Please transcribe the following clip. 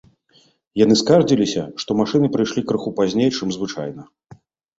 Яны скардзіліся, што машыны прыйшлі крыху пазней, чым звычайна.